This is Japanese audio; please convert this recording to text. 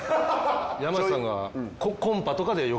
山内さんが。